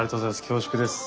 恐縮です。